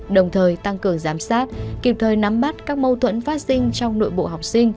đồng thời tăng cường giám sát kịp thời nắm bắt các mâu thuẫn phát sinh trong nội bộ học sinh